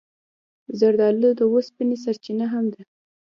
زردالو د اوسپنې سرچینه هم ده.